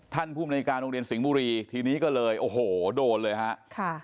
ท่านผู้อำนวยการโรงเรียนสิงห์บุรีทีนี้ก็เลยโดนเลยครับ